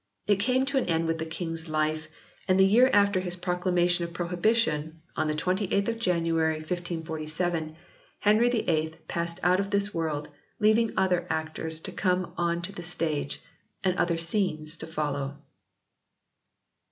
It came to an end with the King s life, and the year after his proclamation of prohibition, on the 28th of January 1547, Henry VIII passed out of this world, leaving other actors to come on to the stage, and other scenes to follow.